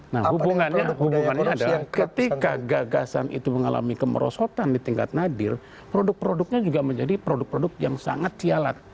nah hubungannya adalah ketika gagasan itu mengalami kemerosotan di tingkat nadir produk produknya juga menjadi produk produk yang sangat sialat